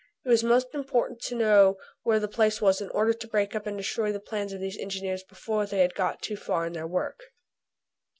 It was most important to know where this place was in order to break up and destroy the plans of these engineers before they had got too far in their work.